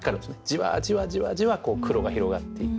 じわじわじわじわ黒が広がっていく。